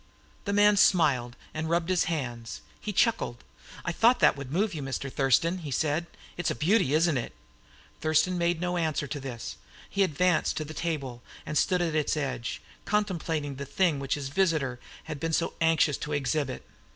The man smiled, and rubbed his hands. He chuckled. "I thought that would move you, Mr. Thurston!" he said. "It's a beauty, isn't it?" Thurston made no answer to this. He advanced to the table and stood at its edge, contemplating the thing which his visitor had been so anxious to exhibit.